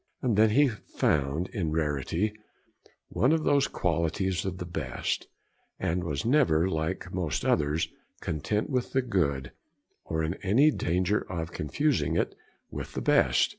And then he found, in rarity, one of the qualities of the best; and was never, like most others, content with the good, or in any danger of confusing it with the best.